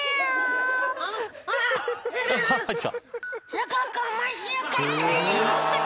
すごく面白かったです。